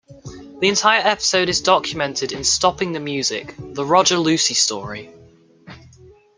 The entire episode is documented in Stopping the Music: The Roger Lucey Story.